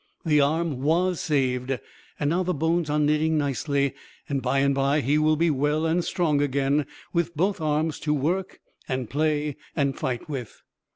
The arm was saved; now the bones are knitting nicely, and by and by he will be well and strong again, with both arms to work and play and fight with.